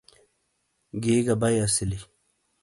گی گہ بئی اسیلی۔